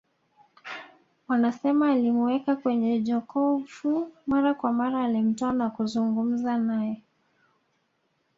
Wanasema alimuweka kwenye jokofu mara kwa mara alimtoa na kuzungumza naye